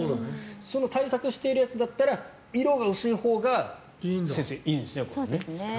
その対策をしているやつだったら色が薄いほうがそうなんです。